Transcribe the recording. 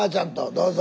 どうぞ。